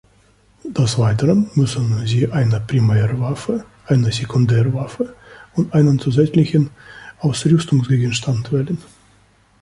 Des Weiteren müssen sie eine Primärwaffe, eine Sekundärwaffe und einen zusätzlichen Ausrüstungsgegenstand wählen.